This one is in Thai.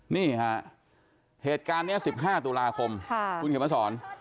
นี่ฮะเหตุการณ์นี้๑๕ตุลาคมคุณเขียนมาสอน